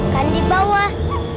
kan di bawah